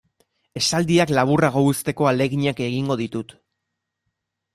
Esaldiak laburrago uzteko ahaleginak egingo ditut.